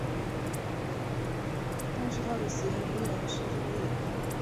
但是他的死因依然是争议。